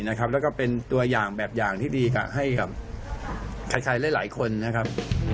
แล้วก็เป็นตัวอย่างแบบอย่างที่ดีให้กับใครหลายคนนะครับ